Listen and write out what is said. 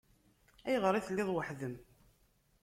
Ayɣer i telliḍ weḥd-m?